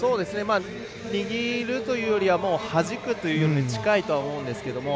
握るというよりははじくというのに近いと思うんですが。